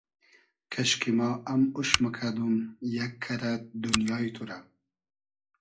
کئشکی ما ام اوش موکئدوم یئگ کئرئد دونیای تو رۂ